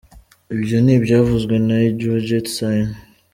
Ibyo ni ibyavuzwe na Indrajeet Singh.